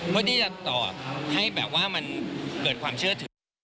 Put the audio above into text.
เพื่อที่จะต่อให้แบบว่ามันเกิดความเชื่อถือ